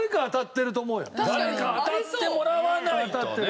誰か当たってもらわないとね。